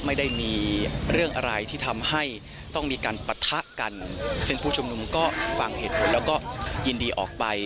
ไม่ได้มีเรื่องอะไรที่ทำให้ต้องมีการปะทะกันซึ่งผู้ชุมนุมก็ฟังเหตุผลแล้วก็ยินดีออกไป